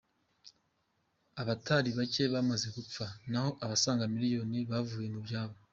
Abatari bake bamaze gupfa n’aho abasaga miliyoni bavuye mu byabo.